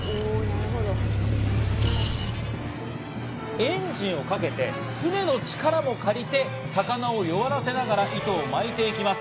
エンジンをかけて、船の力も借りて魚を弱らせながら糸を巻いていきます。